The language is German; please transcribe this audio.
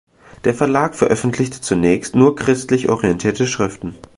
Der Verlag veröffentlichte zunächst nur christlich orientierte Schriften.